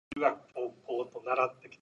"Ariadne" participated in Beira Patrol.